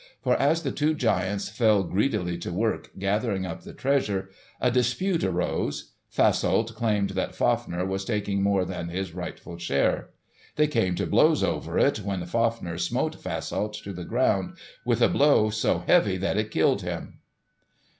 For as the two giants fell greedily to work gathering up the treasure, a dispute arose. Fasolt claimed that Fafner was taking more than his rightful share. They came to blows over it, when Fafner smote Fasolt to the ground with a blow so heavy that it killed him.